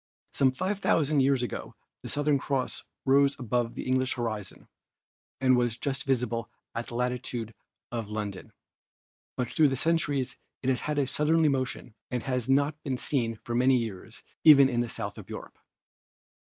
Some 5,000 years ago the Southern Cross rose above the English horizon and was just visible in the latitude of London, but through the centuries it has had a southerly motion and has not been seen for many years even in the south of Europe.